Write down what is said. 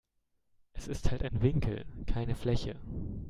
Es ist halt ein Winkel, keine Fläche.